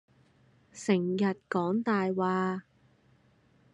成日講大話